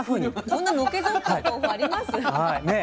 こんなのけぞったお豆腐あります？